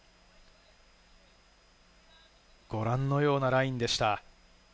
ご覧のようなラインでした。